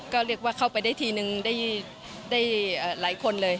ก็เรียกว่าเข้าไปได้ทีนึงได้หลายคนเลย